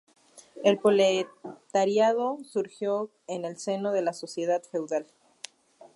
El proletariado surgió en el seno de la sociedad feudal.